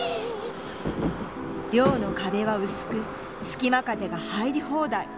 寮の壁は薄く隙間風が入り放題。